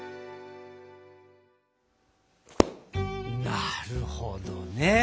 なるほどね！